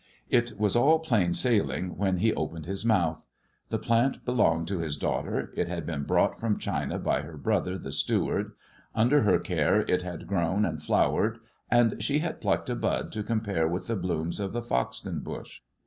ItiMp plain sailing when he opened his mouth. The jUif^ longed to his daughter ; it had been brought froiil^^ by her brother the steward ; under her care it btAijij and flowered ; and she had plucked a bud to com|M(|j|| the blooms of the Foxton bush.